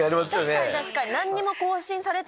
確かに確かに。